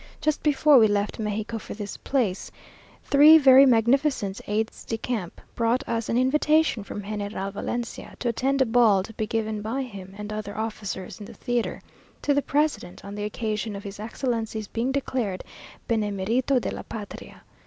Just before we left Mexico for this place, three very magnificent aides de camp brought us an invitation from General Valencia, to attend a ball to be given by him and other officers, in the theatre, to the president, on the occasion of his excellency's being declared "benemerito de la patria."